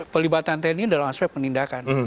pelibatan tni dalam aspek penindakan